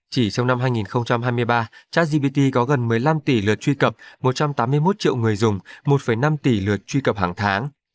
chỉ trong năm hai nghìn hai mươi ba chartsgpt có gần một mươi năm tỷ lượt truy cập một trăm tám mươi một triệu người dùng một năm tỷ lượt truy cập hàng tháng